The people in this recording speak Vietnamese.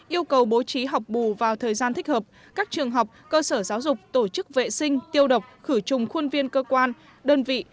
yêu cầu bố trí học bù vào thời gian thích hợp các trường học cơ sở giáo dục tổ chức vệ sinh tiêu độc khử trùng khuôn viên cơ quan đơn vị